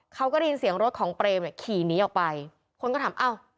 เขาก็ได้ยินเสียงรถของเปรมเนี่ยขี่หนีออกไปคนก็ถามอ้าว